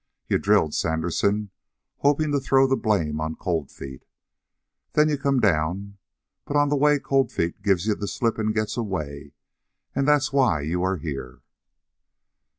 You drilled Sandersen, hoping to throw the blame on Cold Feet. Then you come down, but on the way Cold Feet gives you the slip and gets away. And that's why you're here."